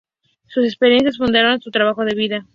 Sus experiencias fundarían su trabajo de vida.